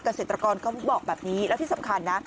เกษตรกรเขาบอกแบบนี้แล้วที่สำคัญนะ